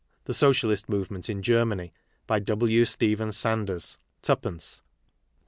The Socialist Movement in Germanj'. By W. Stephen Sanders. 2d.